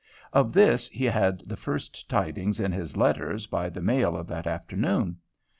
Of this he had the first tidings in his letters by the mail of that afternoon.